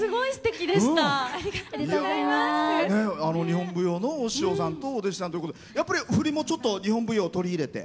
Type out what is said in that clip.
日本舞踊のお師匠さんとお弟子さんということでやっぱり振りもちょっと日本舞踊を取り入れて？